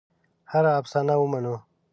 هره افسانه ومنو.